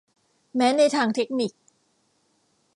แม้ในทางเทคนิค